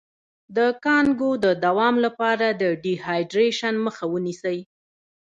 د کانګو د دوام لپاره د ډیهایډریشن مخه ونیسئ